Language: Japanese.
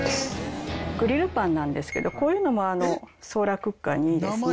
グリルパンなんですけどこういうのもソーラークッカーにいいですね。